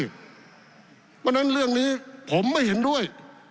เพราะฉะนั้นเรื่องนี้ผมไม่เห็นด้วย